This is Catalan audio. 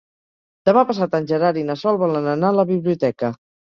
Demà passat en Gerard i na Sol volen anar a la biblioteca.